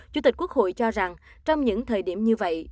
chủ tịch quốc hội cho rằng trong những thời điểm như vậy